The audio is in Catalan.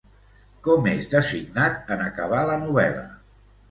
Com és designat en acabar la novel·la?